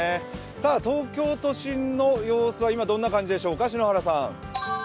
東京都心の様子は今、どんな様子でしょうか、篠原さん。